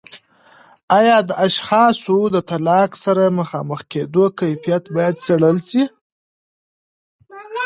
آیا د اشخاصو د طلاق سره مخامخ کیدو کیفیت باید څیړل سي؟